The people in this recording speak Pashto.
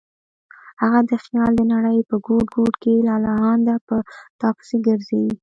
هغه د خیال د نړۍ په ګوټ ګوټ کې لالهانده په تا پسې ګرځي.